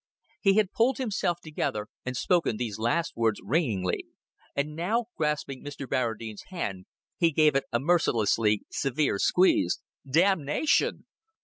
He had pulled himself together and spoken these last words ringingly, and now grasping Mr. Barradine's hand he gave it a mercilessly severe squeeze. "Damnation!"